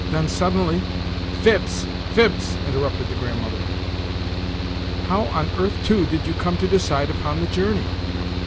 Then suddenly—" "Fibs, fibs!" interrupted the Grandmother. "How on earth, too, did you come to decide upon the journey?"